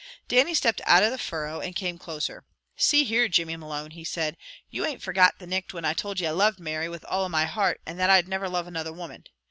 Dannie stepped out of the furrow, and came closer. "See here, Jimmy Malone," he said. "Ye ain't forgot the nicht when I told ye I loved Mary, with all my heart, and that I'd never love another woman.